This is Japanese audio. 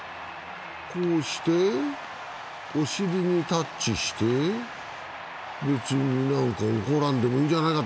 こうして、お尻にタッチして、別に何か怒らんでもいいじゃないか。